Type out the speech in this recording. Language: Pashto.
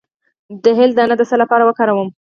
د هل دانه د څه لپاره وکاروم؟